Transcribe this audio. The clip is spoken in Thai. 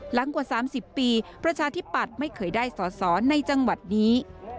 กว่า๓๐ปีประชาธิปัตย์ไม่เคยได้สอสอในจังหวัดนี้